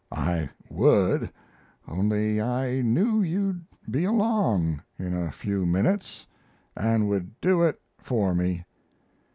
"I would, only I knew you'd be along in a few minutes and would do it for me."